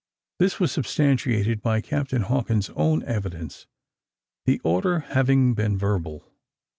This was substantiated by Captain Hawkins' own evidence, the order having been verbal.